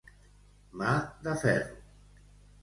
Mà de ferro.